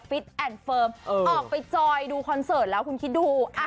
ฟิตแอนด์เฟิร์มออกไปจอยดูคอนเสิร์ตแล้วคุณคิดดู